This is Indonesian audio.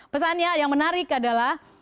pesannya yang menarik adalah